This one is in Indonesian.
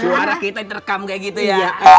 suara kita direkam kayak gitu ya